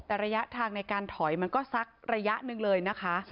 แต่ระยะทางในการถอยมันก็สักระยะหนึ่งเลยนะคะ